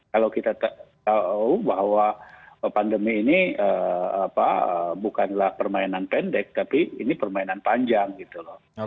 kalau kita tahu bahwa pandemi ini bukanlah permainan pendek tapi ini permainan panjang gitu loh